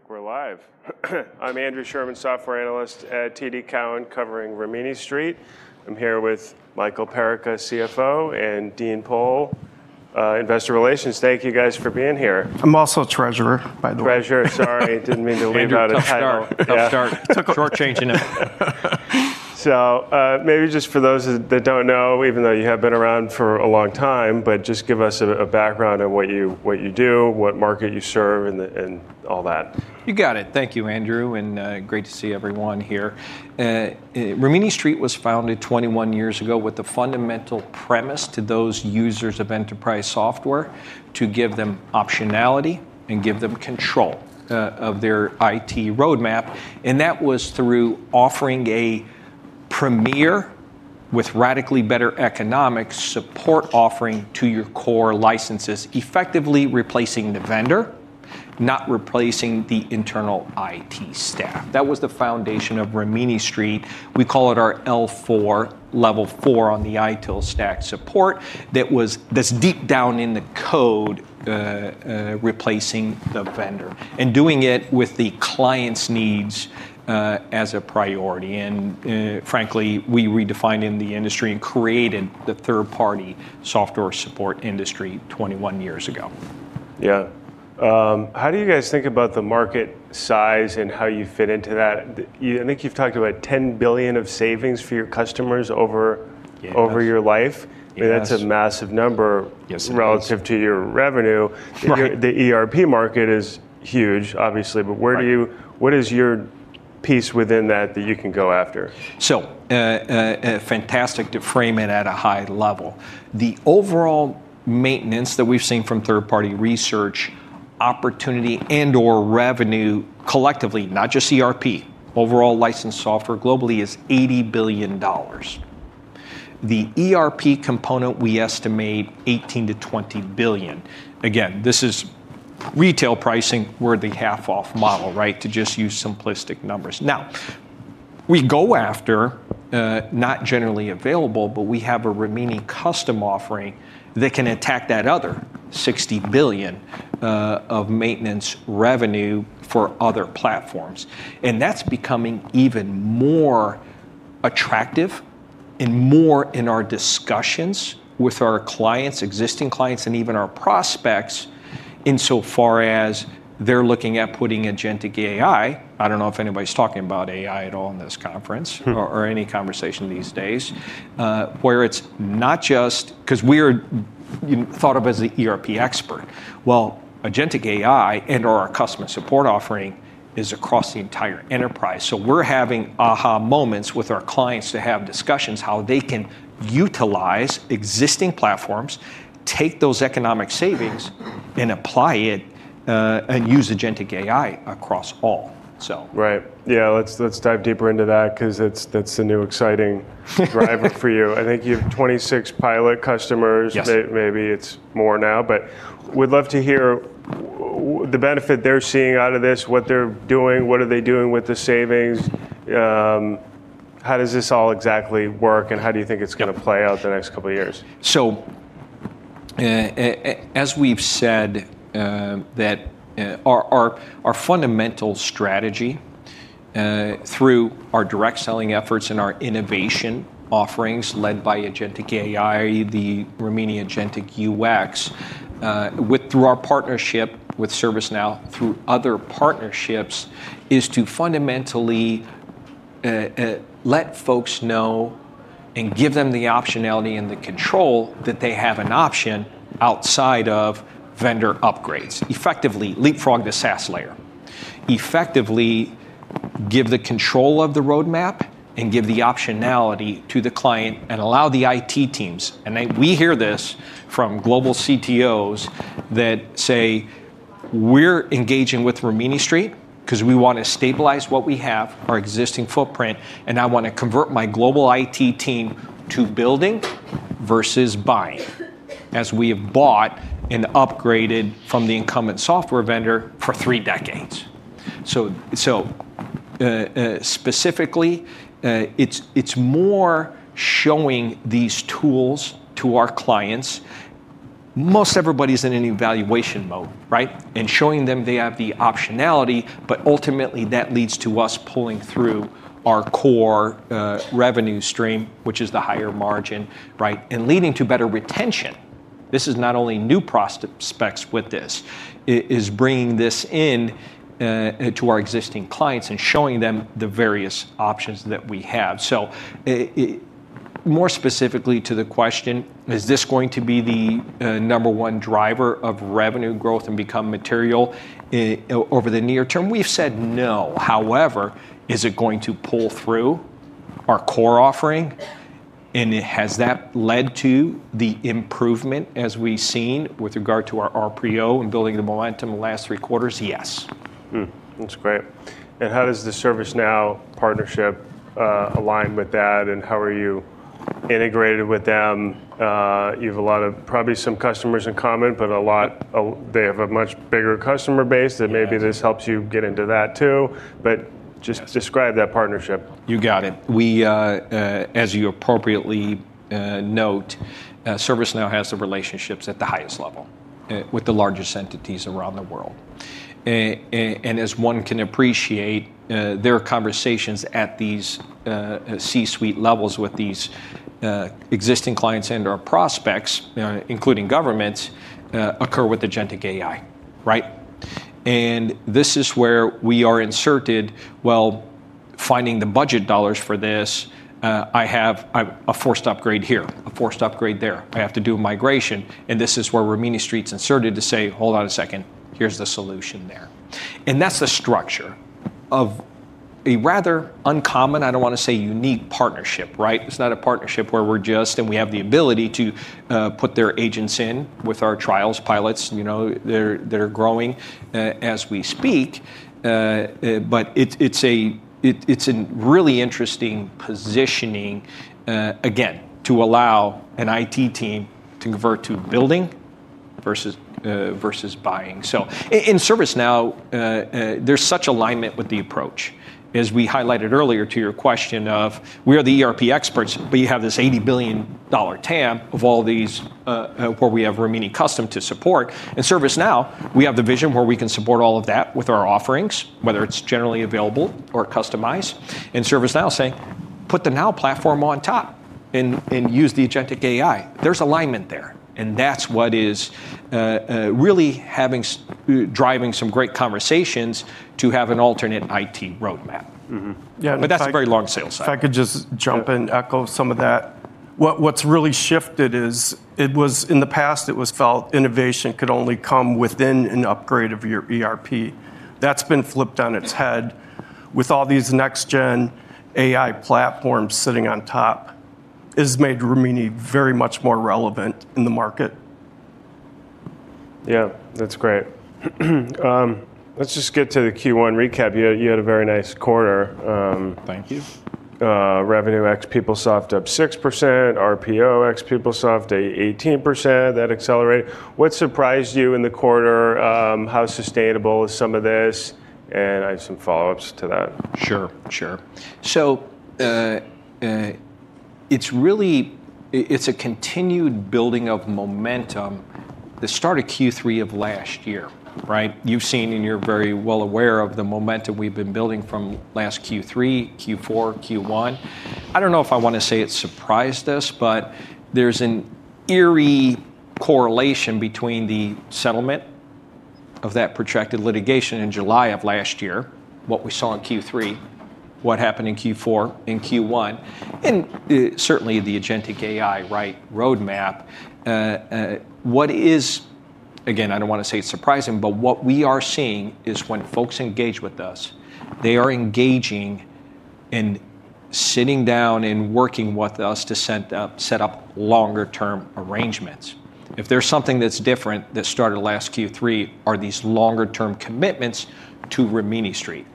All right. I think we're live. I'm Andrew Sherman, software analyst at TD Cowen, covering Rimini Street. I'm here with Michael Perica, CFO, and Dean Pohl, Investor Relations. Thank you guys for being here. I'm also treasurer, by the way. Treasurer, sorry. Didn't mean to leave out a title. Andrew, tough start. Yeah. Tough start. Short-changing it. Maybe just for those that don't know, even though you have been around for a long time, but just give us a background on what you do, what market you serve, and all that. You got it. Thank you, Andrew, and great to see everyone here. Rimini Street was founded 21 years ago with the fundamental premise to those users of enterprise software, to give them optionality and give them control of their IT roadmap, and that was through offering a premier, with radically better economic support offering to your core licenses, effectively replacing the vendor, not replacing the internal IT staff. That was the foundation of Rimini Street. We call it our L4, Level 4, on the ITIL stack support. That's deep down in the code, replacing the vendor and doing it with the client's needs as a priority. Frankly, we redefined in the industry and created the third-party software support industry 21 years ago. Yeah. How do you guys think about the market size and how you fit into that? I think you've talked about $10 billion of savings for your customers over - Yeah. - over your life. Yes. That's a massive number. Yes, it is. Relative to your revenue. Right. The ERP market is huge, obviously, but what is your piece within that you can go after? Fantastic to frame it at a high level. The overall maintenance that we've seen from third-party research opportunity and/or revenue collectively, not just ERP, overall licensed software globally is $80 billion. The ERP component, we estimate $18 billion-$20 billion. Again, this is retail pricing. We're the half-off model, right? To just use simplistic numbers. We go after, not generally available, but we have a Rimini Custom offering that can attack that other $60 billion of maintenance revenue for other platforms. That's becoming even more attractive and more in our discussions with our clients, existing clients, and even our prospects insofar as they're looking at putting agentic AI. I don't know if anybody's talking about AI at all in this conference or any conversation these days. It's not just Because we are thought of as the ERP expert. Well, agentic AI and/or our customer support offering is across the entire enterprise. We're having aha moments with our clients to have discussions how they can utilize existing platforms, take those economic savings, and apply it, and use agentic AI across all. Right. Let's dive deeper into that because that's the new exciting driver for you. I think you have 26 pilot customers. Yes. Maybe it's more now, but we'd love to hear the benefit they're seeing out of this, what they're doing. What are they doing with the savings? How does this all exactly work, and how do you think it's going to play out the next couple of years? As we've said, that our fundamental strategy, through our direct selling efforts and our innovation offerings led by agentic AI, the Rimini Agentic UX, through our partnership with ServiceNow, through other partnerships, is to fundamentally let folks know and give them the optionality and the control that they have an option outside of vendor upgrades. Effectively leapfrog the SaaS layer. Effectively give the control of the roadmap and give the optionality to the client and allow the IT teams. We hear this from global CTOs that say, "We're engaging with Rimini Street because we want to stabilize what we have, our existing footprint, and I want to convert my global IT team to building versus buying, as we have bought and upgraded from the incumbent software vendor for three decades." Specifically, it's more showing these tools to our clients. Most everybody's in an evaluation mode, right? Showing them they have the optionality, but ultimately, that leads to us pulling through our core revenue stream, which is the higher margin, right, and leading to better retention. This is not only new prospects with this. It is bringing this in to our existing clients and showing them the various options that we have. More specifically to the question, is this going to be the number one driver of revenue growth and become material over the near term? We've said no. However, is it going to pull through our core offering, and has that led to the improvement as we've seen with regard to our RPO and building the momentum the last three quarters? Yes. That's great. How does the ServiceNow partnership align with that, and how are you integrated with them. You have a lot of probably some customers in common, but they have a much bigger customer base that maybe this helps you get into that too. Just describe that partnership. You got it. As you appropriately note, ServiceNow has the relationships at the highest level with the largest entities around the world. As one can appreciate, their conversations at these C-suite levels with these existing clients and/or prospects, including governments, occur with agentic AI. Right? This is where we are inserted. Well, finding the budget dollars for this, I have a forced upgrade here, a forced upgrade there. I have to do a migration, and this is where Rimini Street's inserted to say, "Hold on a second. Here's the solution there." That's the structure of a rather uncommon, I don't want to say unique, partnership. Right? It's not a partnership where we have the ability to put their agents in with our trials, pilots. They're growing as we speak. It's in really interesting positioning, again, to allow an IT team to convert to building versus buying. In ServiceNow, there's such alignment with the approach. As we highlighted earlier to your question of we are the ERP experts, but you have this $80 billion TAM of all these, where we have Rimini Custom to support. In ServiceNow, we have the vision where we can support all of that with our offerings, whether it's generally available or customized. ServiceNow say, "Put the Now Platform on top and use the agentic AI." There's alignment there, and that's what is really driving some great conversations to have an alternate IT roadmap. Yeah. That's a very long sales cycle. If I could just jump in. Yeah Echo some of that. What's really shifted is, in the past, it was felt innovation could only come within an upgrade of your ERP. That's been flipped on its head. With all these next gen AI platforms sitting on top, it has made Rimini very much more relevant in the market. Yeah. That's great. Let's just get to the Q1 recap. You had a very nice quarter. Thank you. Revenue ex PeopleSoft up 6%, RPO ex PeopleSoft 18%, that accelerated. What surprised you in the quarter? How sustainable is some of this? I have some follow-ups to that. Sure. It's a continued building of momentum the start of Q3 of last year. Right? You've seen, and you're very well aware of the momentum we've been building from last Q3, Q4, Q1. I don't know if I want to say it surprised us, but there's an eerie correlation between the settlement of that protracted litigation in July of last year, what we saw in Q3, what happened in Q4 and Q1, and certainly the agentic AI, right, roadmap. Again, I don't want to say it's surprising, but what we are seeing is when folks engage with us, they are engaging and sitting down and working with us to set up longer term arrangements. If there's something that's different that started last Q3 are these longer term commitments to Rimini Street.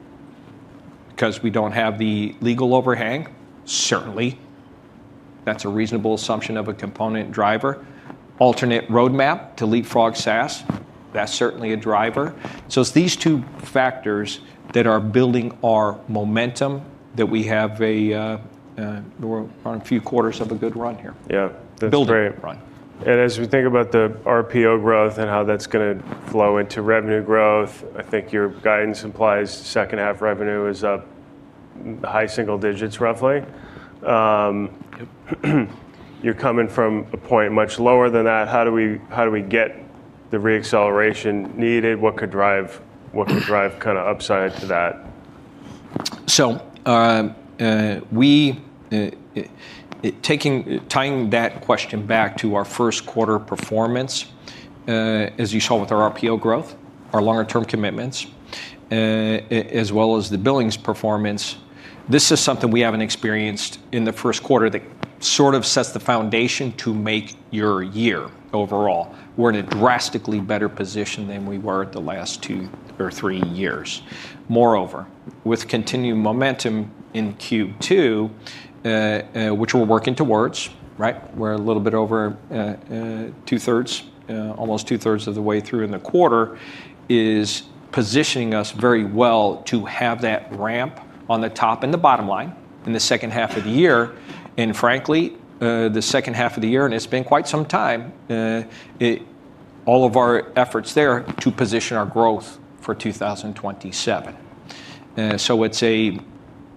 We don't have the legal overhang, certainly. That's a reasonable assumption of a component driver. Alternate roadmap to leapfrog SaaS, that's certainly a driver. It's these two factors that are building our momentum. We're on a few quarters of a good run here. Yeah. Building a good run. As we think about the RPO growth and how that's going to flow into revenue growth, I think your guidance implies second half revenue is up high single digits roughly. You're coming from a point much lower than that. How do we get the re-acceleration needed? What could drive kind of upside to that? Tying that question back to our first quarter performance, as you saw with our RPO growth, our longer term commitments, as well as the billings performance, this is something we haven't experienced in the first quarter that sort of sets the foundation to make your year overall. We're in a drastically better position than we were the last two or three years. Moreover, with continued momentum in Q2, which we're working towards, right? We're a little bit over almost two-thirds of the way through in the quarter, is positioning us very well to have that ramp on the top and the bottom line in the second half of the year. Frankly, the second half of the year, and it's been quite some time. All of our effort's there to position our growth for 2027.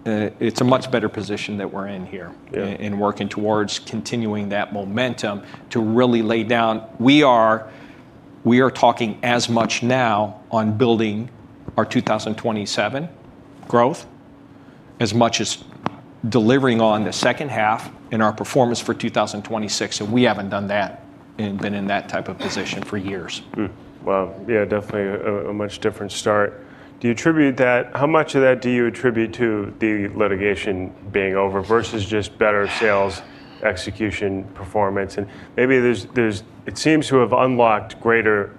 It's a much better position that we're in here. Yeah. In working towards continuing that momentum to really lay down. We are talking as much now on building our 2027 growth as much as delivering on the second half in our performance for 2026. We haven't done that and been in that type of position for years. Hmm. Wow. Yeah, definitely a much different start. How much of that do you attribute to the litigation being over versus just better sales execution performance? Maybe it seems to have unlocked greater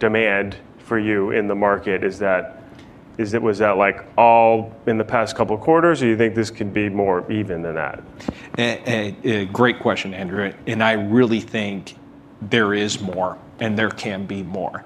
demand for you in the market. Was that all in the past couple of quarters, or you think this could be more even than that? A great question, Andrew. I really think there is more and there can be more.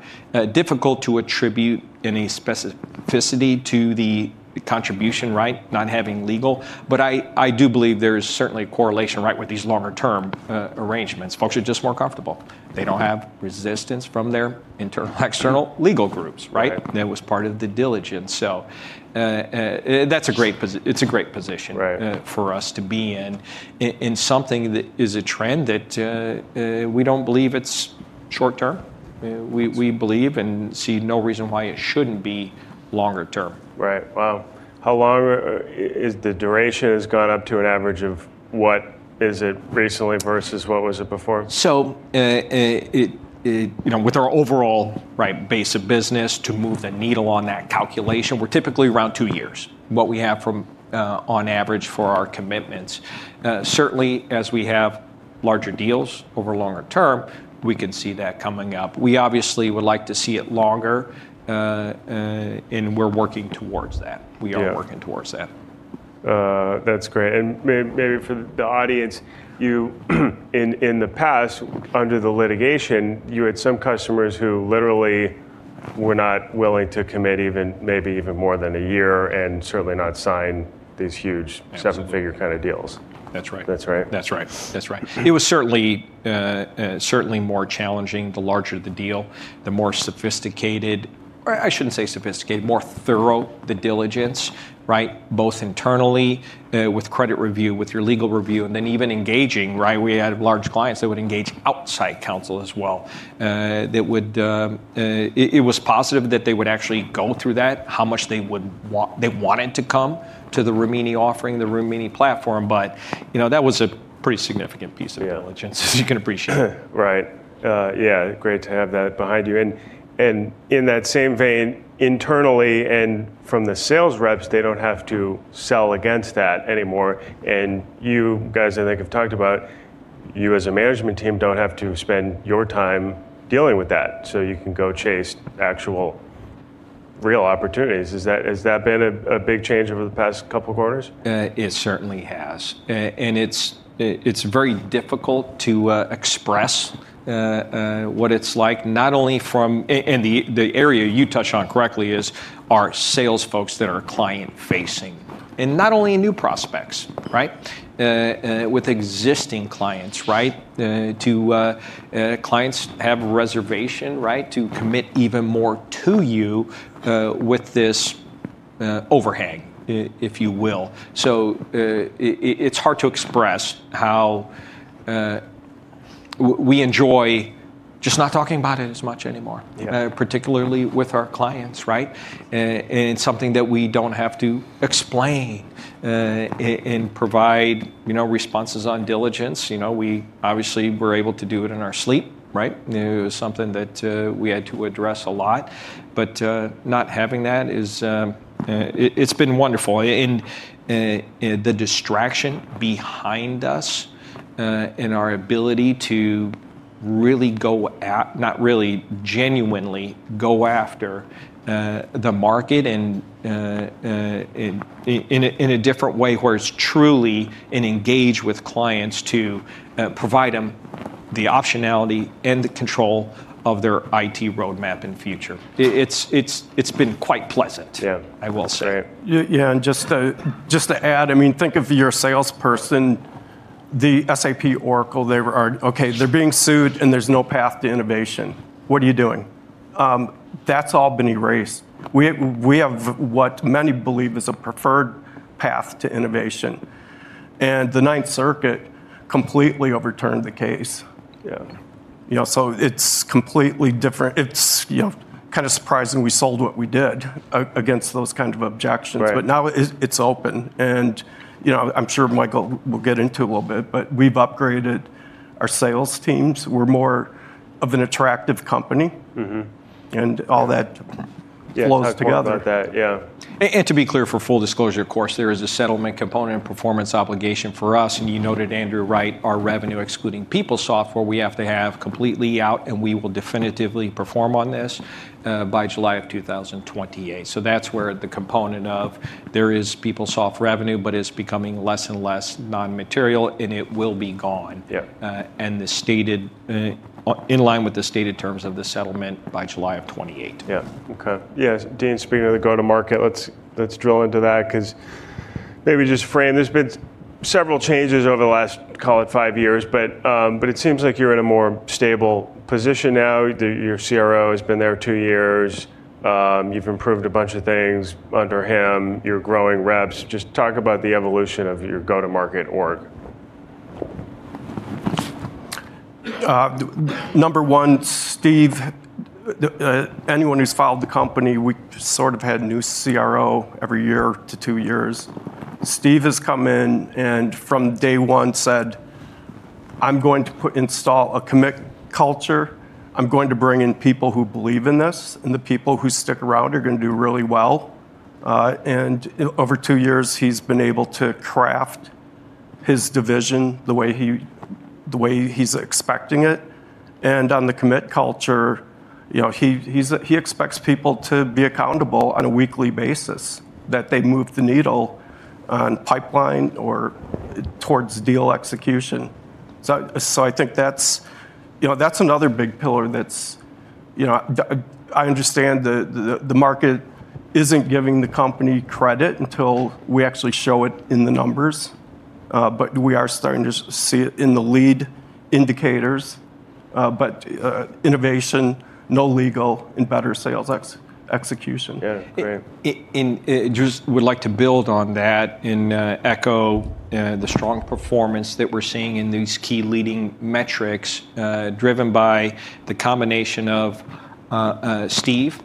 Difficult to attribute any specificity to the contribution, not having legal, but I do believe there's certainly a correlation with these longer-term arrangements. Folks are just more comfortable. They don't have resistance from their internal, external legal groups. Right. That was part of the diligence. It's a great position - Right. - for us to be in something that is a trend that we don't believe it's short-term. We believe and see no reason why it shouldn't be longer-term. Right. Wow. The duration has gone up to an average of, what is it recently versus what was it before? With our overall base of business to move the needle on that calculation, we're typically around two years, what we have on average for our commitments. Certainly, as we have larger deals over longer term, we can see that coming up. We obviously would like to see it longer, and we're working towards that. Yeah. We are working towards that. That's great. Maybe for the audience, in the past, under the litigation, you had some customers who literally were not willing to commit maybe even more than a year and certainly not sign these huge - Absolutely. - seven-figure kind of deals. That's right. That's right. That's right. It was certainly more challenging. The larger the deal, the more sophisticated, or I shouldn't say sophisticated, more thorough the diligence. Both internally, with credit review, with your legal review, and then even engaging. We had large clients that would engage outside counsel as well. It was positive that they would actually go through that, how much they wanted to come to the Rimini offering, the Rimini platform, that was a pretty significant piece of - Yeah. - diligence, as you can appreciate. Right. Yeah. Great to have that behind you. In that same vein, internally and from the sales reps, they don't have to sell against that anymore. You guys, I think, have talked about, you as a management team don't have to spend your time dealing with that, so you can go chase actual real opportunities. Has that been a big change over the past couple of quarters? It certainly has. It's very difficult to express what it's like, and the area you touch on correctly is our sales folks that are client-facing, not only in new prospects. With existing clients have reservation to commit even more to you with this overhang, if you will. It's hard to express how we enjoy just not talking about it as much anymore. Yeah. Particularly with our clients. It's something that we don't have to explain and provide responses on diligence. We obviously were able to do it in our sleep. It was something that we had to address a lot, but not having that, it's been wonderful. The distraction behind us and our ability to genuinely go after the market and in a different way, where it's truly an engage with clients to provide them the optionality and the control of their IT roadmap and future. It's been quite pleasant. Yeah I will say. That's right. Yeah, just to add, think of your salesperson, the SAP Oracle, okay, they're being sued and there's no path to innovation. What are you doing? That's all been erased. We have what many believe is a preferred path to innovation. The Ninth Circuit completely overturned the case. Yeah. It's completely different. It's kind of surprising we sold what we did against those kind of objections. Right. Now it's open, and I'm sure Michael will get into it a little bit, but we've upgraded our sales teams. We're more of an attractive company. Mm-hmm. All that flows together. Yeah, talk more about that. Yeah. To be clear, for full disclosure, of course, there is a settlement component and performance obligation for us, and you noted, Andrew, our revenue excluding PeopleSoft, where we have to have completely out, and we will definitively perform on this by July of 2028. That's where the component of, there is PeopleSoft revenue, but it's becoming less and less non-material, and it will be gone. Yeah. In line with the stated terms of the settlement by July of 2028. Yeah. Okay. Yeah. Dean, speaking of the go-to-market, let's drill into that because maybe just frame, there's been several changes over the last, call it five years, but it seems like you're in a more stable position now. Your CRO has been there two years. You've improved a bunch of things under him. You're growing reps. Just talk about the evolution of your go-to-market org. Number one, Steve. Anyone who's followed the company, we sort of had a new CRO every year to two years. Steve has come in and from day one said, "I'm going to install a commit culture. I'm going to bring in people who believe in this, and the people who stick around are going to do really well." Over two years, he's been able to craft his division, the way he's expecting it. On the commit culture, he expects people to be accountable on a weekly basis, that they move the needle on pipeline or towards deal execution. I think that's another big pillar. I understand the market isn't giving the company credit until we actually show it in the numbers, but we are starting to see it in the lead indicators. Innovation, no legal, and better sales execution. Yeah. Great. Just would like to build on that and echo the strong performance that we're seeing in these key leading metrics, driven by the combination of Steve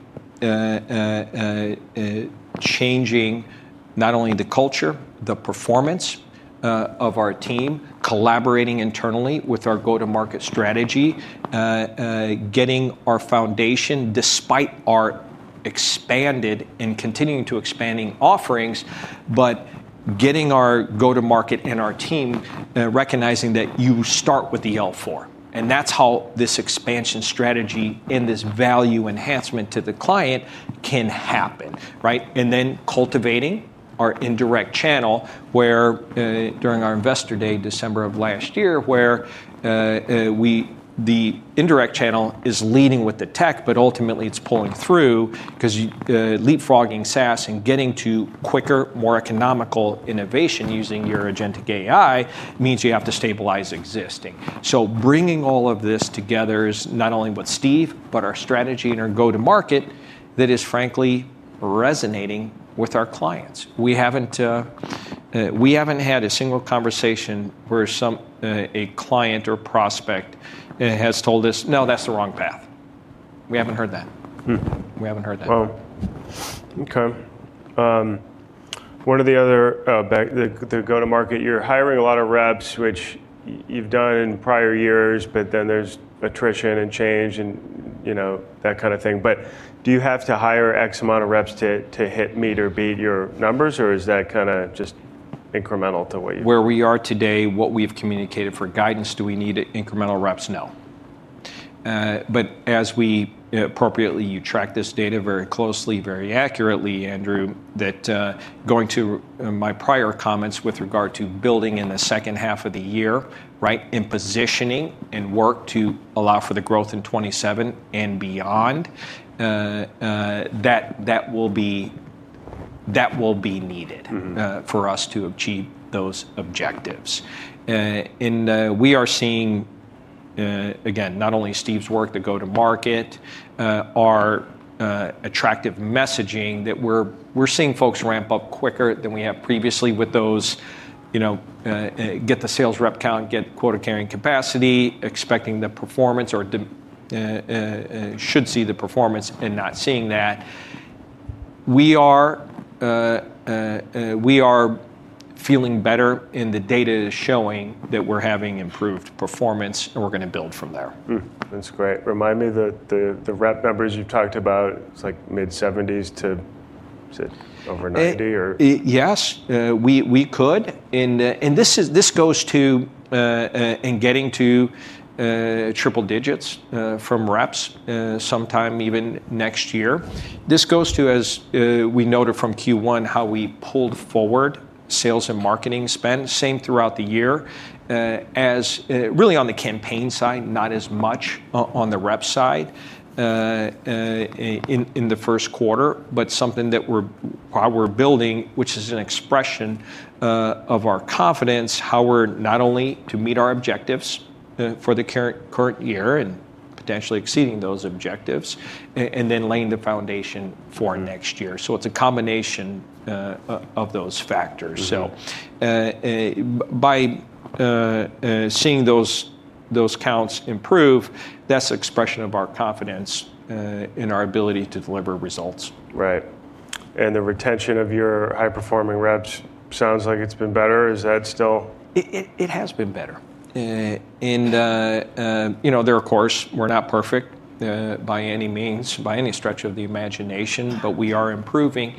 changing not only the culture, the performance of our team, collaborating internally with our go-to-market strategy. Getting our foundation, despite our expanded and continuing to expanding offerings, but getting our go-to-market and our team recognizing that you start with the L4. That's how this expansion strategy and this value enhancement to the client can happen. Right? Then cultivating our indirect channel, where during our investor day, December of last year, where the indirect channel is leading with the tech, but ultimately it's pulling through because leapfrogging SaaS and getting to quicker, more economical innovation using your agentic AI means you have to stabilize existing. Bringing all of this together is not only with Steve, but our strategy and our go-to-market that is frankly resonating with our clients. We haven't had a single conversation where a client or prospect has told us, "No, that's the wrong path." We haven't heard that. We haven't heard that. Wow. Okay. The go-to-market, you're hiring a lot of reps, which you've done in prior years, but then there's attrition and change and that kind of thing. Do you have to hire X amount of reps to hit, meet, or beat your numbers, or is that kind of just incremental? Where we are today, what we've communicated for guidance, do we need incremental reps? No. As we appropriately, you track this data very closely, very accurately, Andrew, that going to my prior comments with regard to building in the second half of the year, right, and positioning and work to allow for the growth in 2027 and beyond, that will be needed for us to achieve those objectives. We are seeing, again, not only Steve's work, the go to market, our attractive messaging, that we're seeing folks ramp up quicker than we have previously with those, get the sales rep count, get quota carrying capacity, expecting the performance or should see the performance and not seeing that. We are feeling better and the data is showing that we're having improved performance, and we're going to build from there. That's great. Remind me the rep numbers you've talked about. It's like mid-70s to, is it over 90 or? Yes. We could. This goes to getting to triple digits from reps sometime even next year. This goes to, as we noted from Q1, how we pulled forward sales and marketing spend. Same throughout the year, as really on the campaign side, not as much on the rep side in the first quarter, but something that we're building, which is an expression of our confidence, how we're not only to meet our objectives for the current year and potentially exceeding those objectives, and then laying the foundation for next year. It's a combination of those factors. By seeing those counts improve, that's an expression of our confidence in our ability to deliver results. Right. The retention of your high-performing reps sounds like it's been better. Is that still- It has been better. There of course, we're not perfect by any means, by any stretch of the imagination, but we are improving.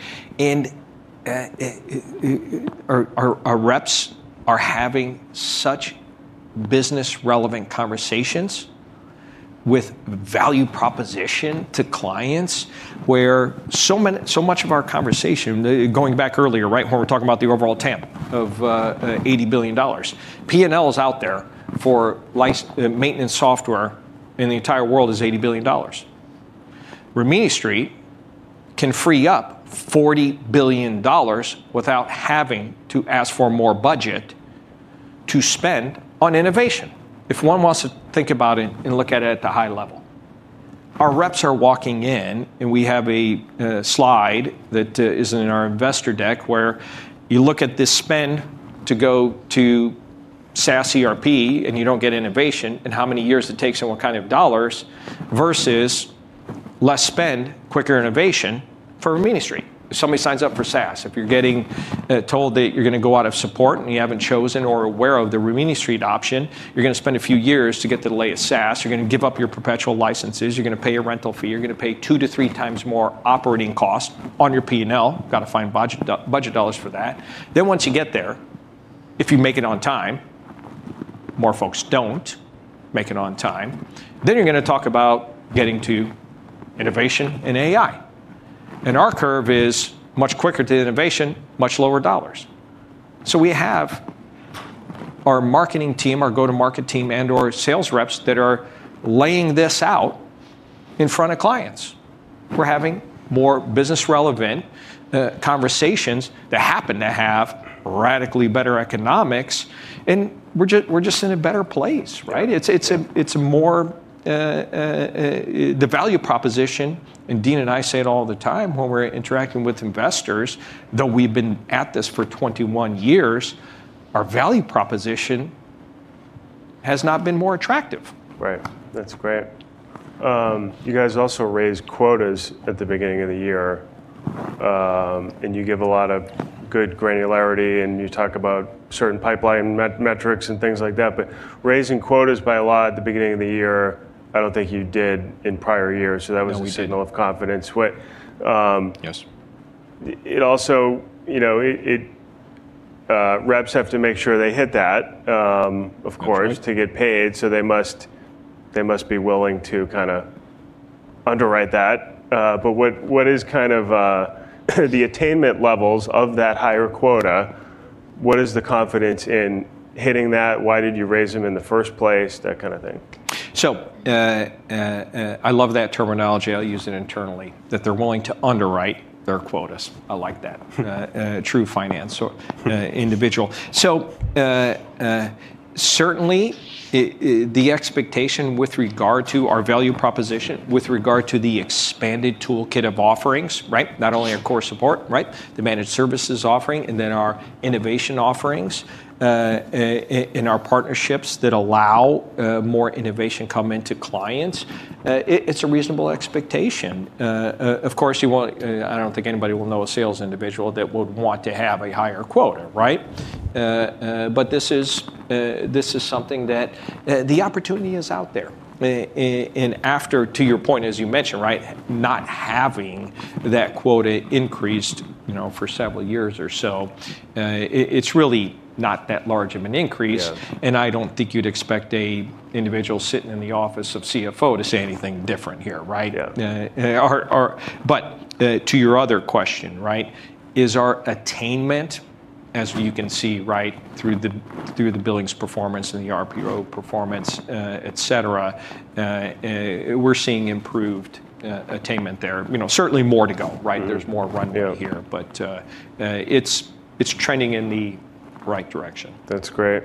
Our reps are having such business-relevant conversations with value proposition to clients, where so much of our conversation, going back earlier, right, when we're talking about the overall TAM of $80 billion. P&L is out there for maintenance software in the entire world is $80 billion. Rimini Street can free up $40 billion without having to ask for more budget to spend on innovation. If one wants to think about it and look at it at the high level. Our reps are walking in, and we have a slide that is in our investor deck where you look at the spend to go to SaaS ERP, and you don't get innovation, and how many years it takes and what kind of dollars, versus less spend, quicker innovation for Rimini Street. If somebody signs up for SaaS, if you're getting told that you're going to go out of support and you haven't chosen or are aware of the Rimini Street option, you're going to spend a few years to get the latest SaaS. You're going to give up your perpetual licenses. You're going to pay a rental fee. You're going to pay 2-3x more operating costs on your P&L. Got to find budget dollars for that. Once you get there, if you make it on time. More folks don't make it on time. You're going to talk about getting to innovation and AI. Our curve is much quicker to innovation, much lower dollars. We have our marketing team, our go-to-market team, and/or sales reps that are laying this out in front of clients. We're having more business-relevant conversations that happen to have radically better economics, and we're just in a better place. Right? The value proposition, and Dean and I say it all the time when we're interacting with investors, though we've been at this for 21 years, our value proposition has not been more attractive. Right. That's great. You guys also raised quotas at the beginning of the year, and you give a lot of good granularity, and you talk about certain pipeline metrics and things like that, but raising quotas by a lot at the beginning of the year, I don't think you did in prior years. No, we didn't. That was a signal of confidence. Yes. Reps have to make sure they hit that - Of course. - to get paid. They must be willing to underwrite that. What is the attainment levels of that higher quota? What is the confidence in hitting that? Why did you raise them in the first place, that kind of thing? I love that terminology. I'll use it internally, that they're willing to underwrite their quotas. I like that. A true finance individual. Certainly, the expectation with regard to our value proposition, with regard to the expanded toolkit of offerings, right, not only our core support, right, the managed services offering, and then our innovation offerings, in our partnerships that allow more innovation come into clients, it's a reasonable expectation. Of course, I don't think anybody will know a sales individual that would want to have a higher quota, right? This is something that the opportunity is out there. After, to your point, as you mentioned, right, not having that quota increased for several years or so, it's really not that large of an increase. Yeah. I don't think you'd expect an individual sitting in the office of CFO to say anything different here, right? Yeah. To your other question, right, is our attainment, as you can see, right, through the billings performance and the RPO performance, et cetera, we're seeing improved attainment there. Certainly more to go, right? There's more runway here. Yeah. It's trending in the right direction. That's great.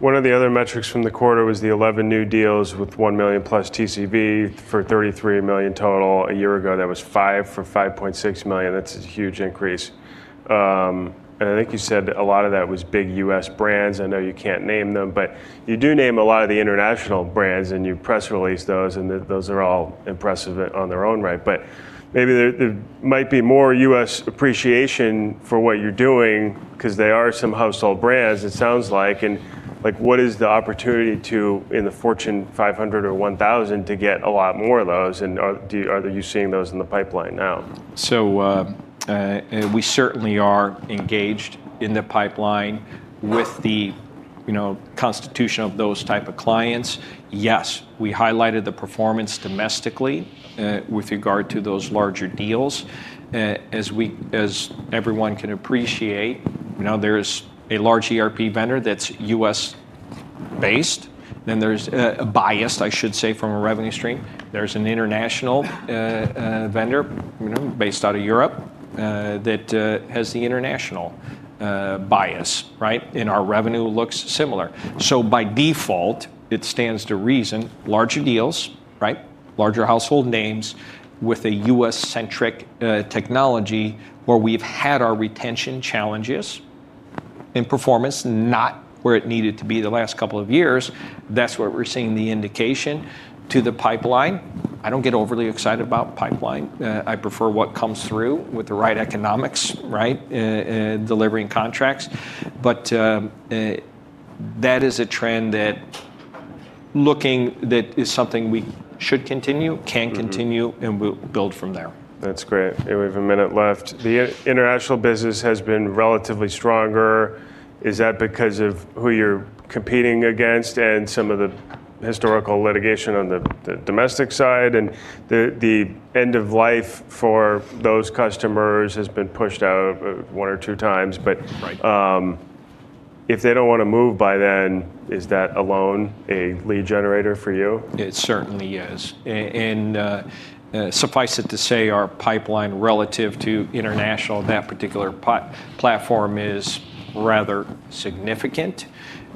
One of the other metrics from the quarter was the 11 new deals with $1 million+ TCV for $33 million total. A year ago, that was five for $5.6 million. That's a huge increase. I think you said a lot of that was big U.S. brands. I know you can't name them, but you do name a lot of the international brands, and you press release those, and those are all impressive on their own right. Maybe there might be more U.S. appreciation for what you doing because they are some household brands, it sounds like. What is the opportunity to, in the Fortune 500 or 1,000, to get a lot more of those? Are you seeing those in the pipeline now? We certainly are engaged in the pipeline with the constitution of those type of clients. We highlighted the performance domestically, with regard to those larger deals. There's a large ERP vendor that's U.S.-based, and then there's a bias, I should say, from a revenue stream. There's an international vendor based out of Europe that has the international bias, right. Our revenue looks similar. By default, it stands to reason, larger deals, right, larger household names with a U.S.-centric technology where we've had our retention challenges and performance not where it needed to be the last couple of years. That's where we're seeing the indication to the pipeline. I don't get overly excited about pipeline. I prefer what comes through with the right economics, right, delivering contracts. That is a trend that is something we should continue. Can continue, and we'll build from there. That's great. We have a minute left. The international business has been relatively stronger. Is that because of who you're competing against and some of the historical litigation on the domestic side and the end of life for those customers has been pushed out one or two times? Right. if they don't want to move by then, is that alone a lead generator for you? It certainly is. Suffice it to say, our pipeline relative to international, that particular platform is rather significant.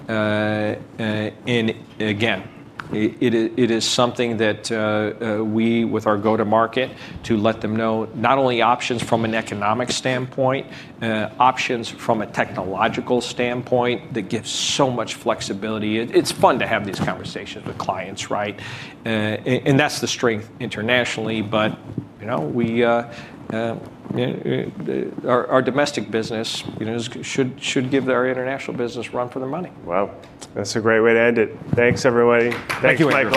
Again, it is something that we, with our go-to-market, to let them know not only options from an economic standpoint, options from a technological standpoint that gives so much flexibility. It's fun to have these conversations with clients, right? That's the strength internationally, but our domestic business should give our international business a run for their money. Wow. That's a great way to end it. Thanks, everybody. Thank you, Andrew. Thanks, Michael.